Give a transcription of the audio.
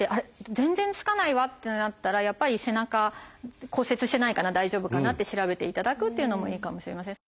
全然つかないわってなったらやっぱり背中骨折してないかな大丈夫かなって調べていただくっていうのもいいかもしれません。